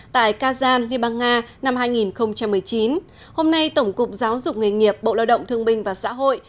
tại kazan liên bang nga năm hai nghìn một mươi chín hôm nay tổng cục giáo dục nghề nghiệp bộ lao động thương minh và xã hội